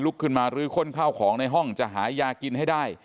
ขึ้นมารื้อข้นข้าวของในห้องจะหายากินให้ได้